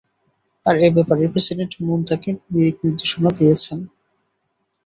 আর এ ব্যাপারে president Moon তাঁকে দিকনির্দেশনা দিয়েছেন।